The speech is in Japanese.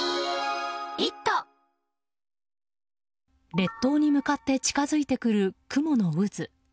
列島に向かって近づいてくる雲の渦。